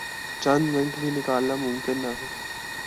چند منٹ بھی نکالنا ممکن نہ ہوں۔